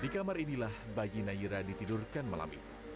di kamar inilah bayi nayira ditidurkan malam itu